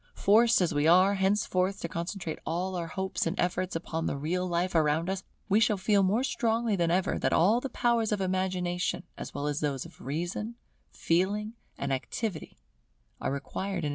Forced as we are henceforth to concentrate all our hopes and efforts upon the real life around us, we shall feel more strongly than ever that all the powers of Imagination as well as those of Reason, Feeling, and Activity, are required in its service.